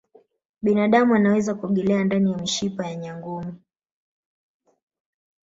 binadamu anaweza kuogelea ndani ya mishipa ya nyangumi